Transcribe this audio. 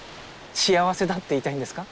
幸せだって言いたいんですか？